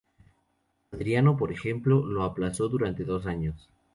Adriano, por ejemplo, lo aplazó durante dos años.